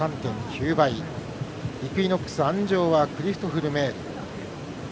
イクイノックス、鞍上はクリストフ・ルメール。